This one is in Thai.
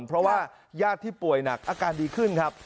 เพราะว่าญาติที่ป่วยหนักอาการดีขึ้นครับ